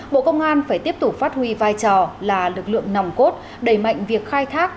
bộ công an phải tiếp tục phát huy vai trò là lực lượng nòng cốt đẩy mạnh việc khai thác